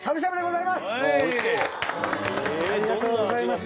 ありがとうございます。